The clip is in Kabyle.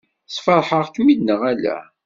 Sfeṛḥeɣ-kem-id neɣ ala?